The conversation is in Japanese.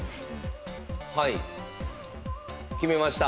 はい決めました。